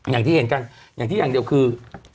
อย่างที่เห็นกันอย่างที่อย่างเดียวคือ